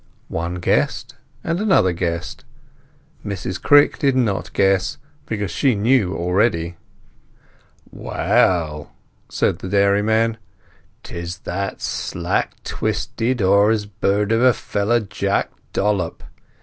One guessed, and another guessed. Mrs Crick did not guess, because she knew already. "Well," said the dairyman, "'tis that slack twisted 'hore's bird of a feller, Jack Dollop.